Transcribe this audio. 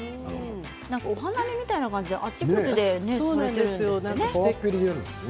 なんかお花見みたいな感じであちこちでやっているんですね。